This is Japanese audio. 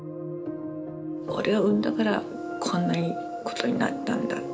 俺を産んだからこんなことになったんだって。